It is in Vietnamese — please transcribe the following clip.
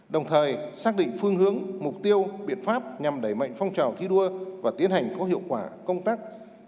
đồng thời xác định phương hướng mục tiêu biện pháp nhằm đẩy mạnh phong trào thi đua và tiến hành có hiệu quả công tác